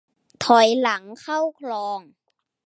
ถอยหลังเข้าคลอง